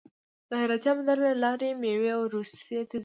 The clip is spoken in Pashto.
د حیرتان بندر له لارې میوې روسیې ته ځي.